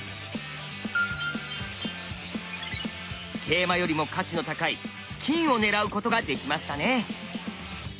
桂馬よりも価値の高い金を狙うことができましたね。